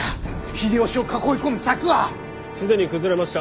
秀吉を囲い込む策は！既に崩れました。